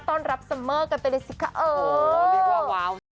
ต้อนรับเสมอกันเต็มดีสิคะโอ้โหว้าว